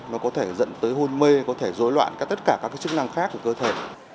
nó có thể dẫn tới hôn mê có thể dối loạn tất cả các chức năng khác của cơ thể